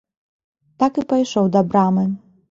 Так і пайшоў да брамы.